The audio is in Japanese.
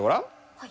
はい。